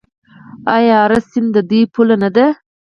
آیا اراس سیند د دوی پوله نه ده؟